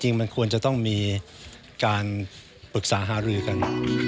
มันควรจะต้องมีการปรึกษาหารือกัน